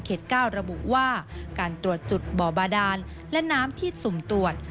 ๙ระบุว่าการตรวจจุดบ่อบาดานและน้ำที่สุ่มตรวจ